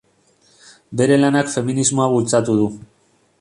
Bere lanak feminismoa bultzatu du.